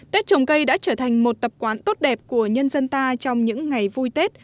tết trồng cây đã trở thành một tập quán tốt đẹp của nhân dân ta trong những ngày vui tết